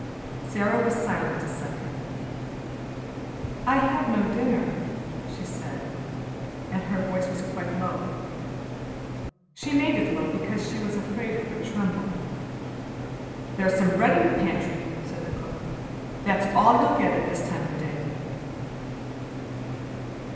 Sara was silent a second. "I had no dinner," she said, and her voice was quite low. She made it low, because she was afraid it would tremble. "There's some bread in the pantry," said the cook. "That's all you'll get at this time of day."